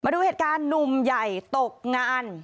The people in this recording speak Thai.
ดูเหตุการณ์หนุ่มใหญ่ตกงาน